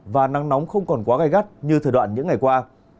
và nắng nóng không còn quá gai gắt như thời đoạn những ngày qua